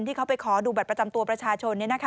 ที่เขาไปขอดูบัตรประจำตัวประชาชน